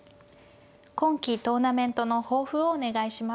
今期トーナメントの抱負をお願いします。